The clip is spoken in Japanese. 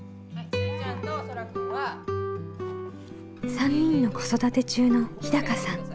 ３人の子育て中の日さん。